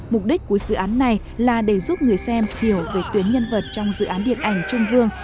mục đích của dự án này là để giúp người xem hiểu về tuyến nhân vật trong dự án điện ảnh trương vương